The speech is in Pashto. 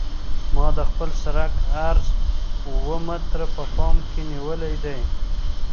ما د خپل سرک عرض اوه متره په پام کې نیولی دی